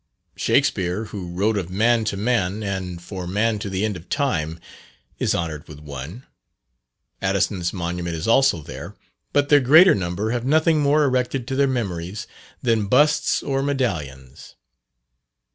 Shakspere, who wrote of man to man, and for man to the end of time, is honoured with one. Addison's monument is also there; but the greater number have nothing more erected to their memories than busts or medallions.